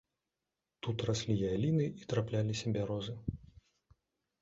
Тут раслі яліны і трапляліся бярозы.